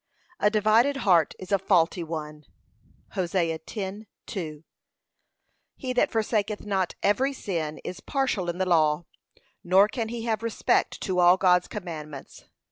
A divided heart is a faulty one. (Hosea 10:2) He that forsaketh not every sin is partial in the law, nor can he have respect to all God's commandments.